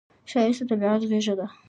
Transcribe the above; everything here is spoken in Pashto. ښایست د طبیعت غېږه ده